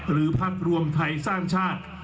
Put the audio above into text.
หรือภักดิ์รวมไทยสร้างชาติ